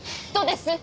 どうです？